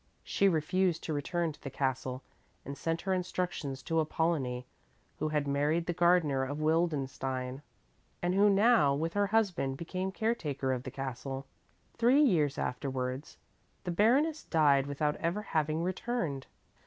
She refused to return to the castle and sent her instructions to Apollonie, who had married the gardener of Wildenstein, and who now with her husband became caretaker of the castle, Three years afterwards the Baroness died without ever having returned.